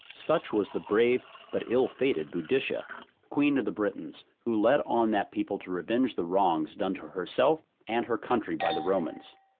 Such was the brave but ill fated Boadicea, queen of the Britons, who led on that people to revenge the wrongs done to herself and her country by the Romans.